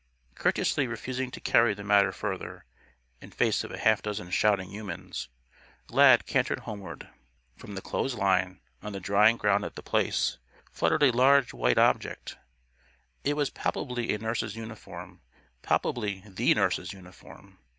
Courteously refusing to carry the matter further, in face of a half dozen shouting humans, Lad cantered homeward. From the clothes line, on the drying ground at The Place, fluttered a large white object. It was palpably a nurse's uniform palpably the nurse's uniform.